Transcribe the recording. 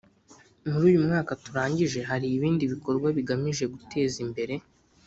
Muri uyu mwaka turangije hari ibindi bikorwa bigamije guteza imbere